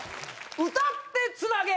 歌ってつなげ！